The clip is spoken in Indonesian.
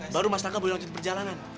baru mas taka boleh lanjut perjalanan